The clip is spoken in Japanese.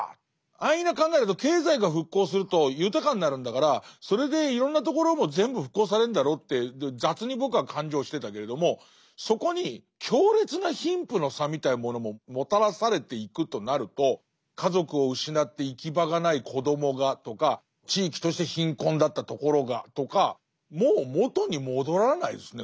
安易な考えだと経済が復興すると豊かになるんだからそれでいろんなところも全部復興されんだろって雑に僕は勘定してたけれどもそこに強烈な貧富の差みたいなものももたらされていくとなると家族を失って行き場がない子どもがとか地域として貧困だったところがとかもう元に戻らないですね